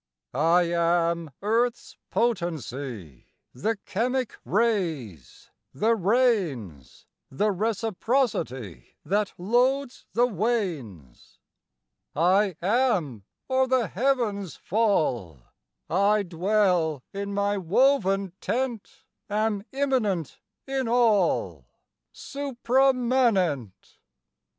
I am earth's potency, The chemic ray's, the rain's, The reciprocity That loads the wains. I am, or the heavens fall! I dwell in my woven tent, Am immanent in all, Suprámanent!